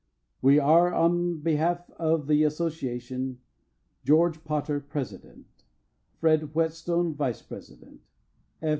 We are, on behalf of the association, GEORGE POTTER, President, FRED WHETSTONE, Vice President, F.